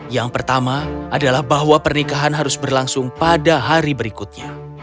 yang pertama adalah bahwa pernikahan harus berlangsung pada hari berikutnya